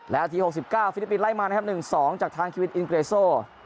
นาที๖๙ฟิลิปปินสไล่มานะครับ๑๒จากทางคิวินอิงเกรโซ